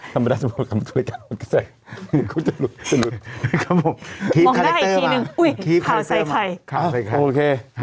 ธรรมดาสมมติกำลังมาช่วยกัน